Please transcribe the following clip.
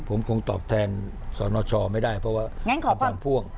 ผมคงตอบแทนสนชไม่ได้เพราะว่างั้นขอความพ่วง